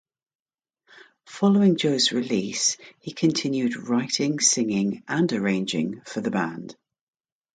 Following Joe's release he continued writing, singing and arranging for the band.